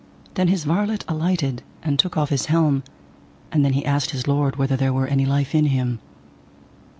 Then his varlet alighted, and took off his helm, and then he asked his lord whether there were any life in him.